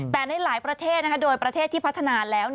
แต่ในหลายประเทศโดยประเทศที่พัฒนาแล้ว